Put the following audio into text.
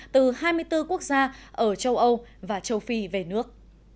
từ hai mươi bốn quốc gia ở châu âu và châu phi về nước